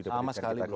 sama sekali belum ada